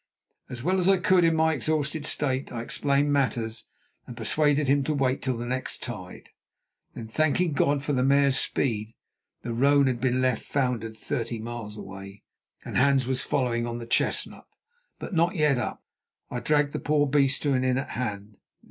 As well as I could in my exhausted state, I explained matters and persuaded him to wait till the next tide. Then, thanking God for the mare's speed—the roan had been left foundered thirty miles away, and Hans was following on the chestnut, but not yet up—I dragged the poor beast to an inn at hand.